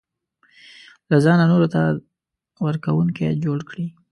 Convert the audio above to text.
له ځانه نورو ته ورکوونکی جوړ کړي.